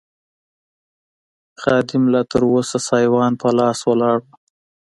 خادم لا تراوسه سایوان په لاس ولاړ و.